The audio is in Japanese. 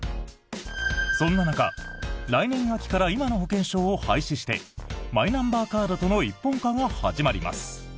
そんな中、来年秋から今の保険証を廃止してマイナンバーカードとの一本化が始まります。